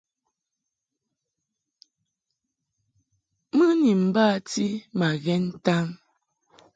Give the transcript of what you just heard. Mɨ ni bati ma ghɛn ntan.